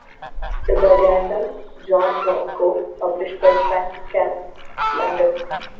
"The Baganda" by John Roscoe, published by Frank Cass, London.